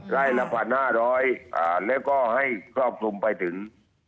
ละ๑๕๐๐แล้วก็ให้ครอบคลุมไปถึง